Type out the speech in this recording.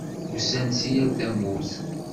Usan-d si yal tamurt.